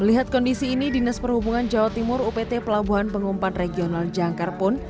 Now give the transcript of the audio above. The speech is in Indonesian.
melihat kondisi ini dinas perhubungan jawa timur upt pelabuhan pengumpan regional jangkar pun